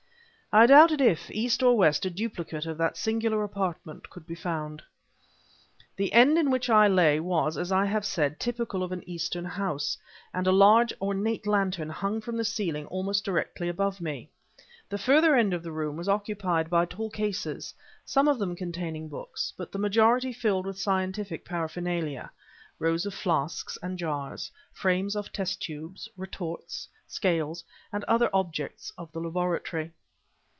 I doubt if, East or West, a duplicate of that singular apartment could be found. The end in which I lay, was, as I have said, typical of an Eastern house, and a large, ornate lantern hung from the ceiling almost directly above me. The further end of the room was occupied by tall cases, some of them containing books, but the majority filled with scientific paraphernalia; rows of flasks and jars, frames of test tubes, retorts, scales, and other objects of the laboratory.